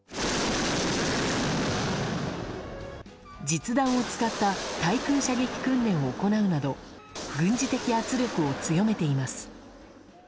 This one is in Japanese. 実弾を使った対空射撃訓練を行うなど軍事的圧力を強めています。